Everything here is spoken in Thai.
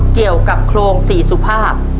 เกี่ยวกับโครงสี่สุภาพ